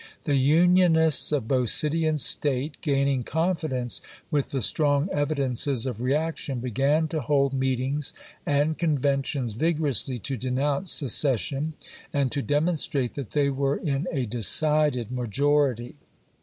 The Unionists of both city and State, gaining confidence with the strong evidences of reaction, began to hold meetings and conventions vigorously to de nounce secession, and to demonstrate that they were in a decided majority.